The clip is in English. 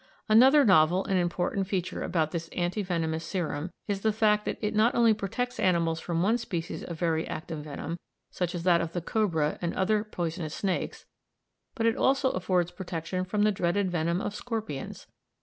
Another novel and important feature about this anti venomous serum is the fact that it not only protects animals from one species of very active venom, such as that of the cobra and other poisonous snakes, but it also affords protection from the dreaded venom of scorpions.